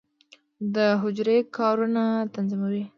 د حجره د کارونو تنظیموي.